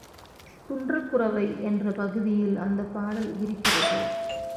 குன்றக் குரவை என்ற பகுதியில் அந்தப் பாடல் இருக்கிறது.